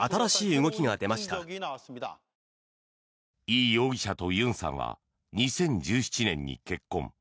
イ容疑者とユンさんは２０１７年に結婚。